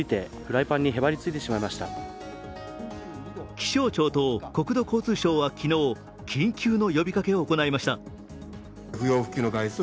気象庁と国土交通省は昨日、緊急の呼びかけを行いました。